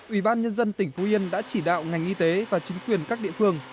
ủy ban nhân dân tỉnh phú yên đã chỉ đạo ngành y tế và chính quyền các địa phương